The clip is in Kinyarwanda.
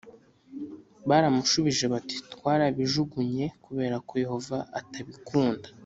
Baramushubije bati twarabijugunye kubera ko Yehova atabikunda